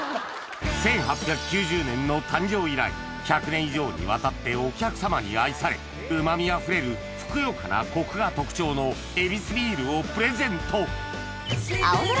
１８９０年の誕生以来１００年以上にわたってお客さまに愛され旨味あふれるふくよかなコクが特徴のヱビスビールをプレゼント